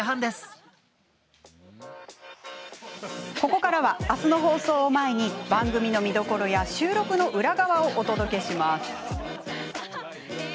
ここからは、明日の放送を前に番組の見どころや収録の裏側をお届けします。